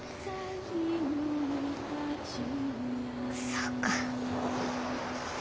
そうか。